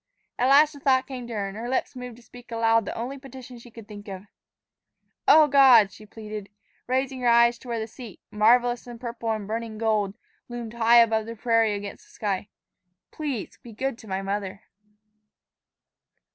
At last a thought came to her, and her lips moved to speak aloud the only petition she could think of: "O God," she pleaded, raising her eyes to where the seat, marvelous in purple and burning gold, loomed high over the prairie against the sky, "please be good to my mother."